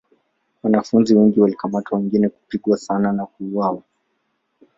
Wanafunzi wengi walikamatwa wengine kupigwa sana na kuuawa.